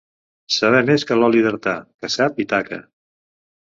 Saber més que l'oli d'Artà, que sap i taca.